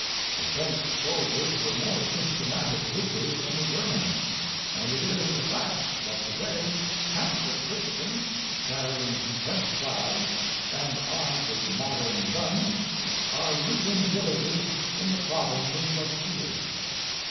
The French soldiers were more systematic looters than the Ger mans, and it is a fact that to day Catholic Christians, carrying French flags and armed with modern guns*, are looting villages in the Province of Chili."